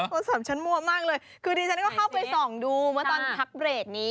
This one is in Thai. โทรศัพท์ฉันมั่วมากเลยคือดิฉันก็เข้าไปส่องดูเมื่อตอนพักเบรกนี้